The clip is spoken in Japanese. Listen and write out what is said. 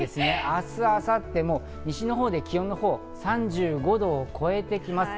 明日、明後日も西のほうで気温が３５度を超えてきます。